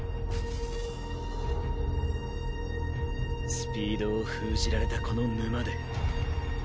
スピードを封じられたこの沼でグオォーー！